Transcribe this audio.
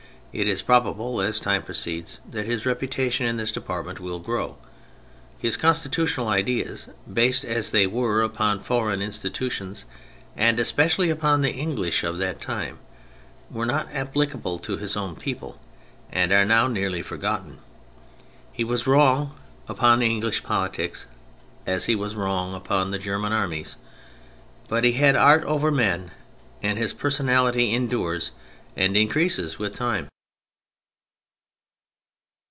It is prob able as time proceeds that his reputation in this department will grow. His constitutional ideas, based as they were upon foreign institu tions, and especially upon the English of that time, were not applicable to his own people and are now nearly forgotten : he was wrong upon English politics as he was wrong upon the German armies, but he had art over men and his personality endures and increases with time.